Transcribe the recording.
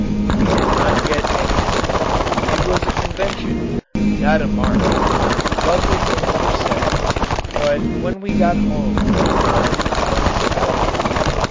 We did not get anywhere. It was a convention, not a march. Lovely things were said, but when we got home we found the furnace out.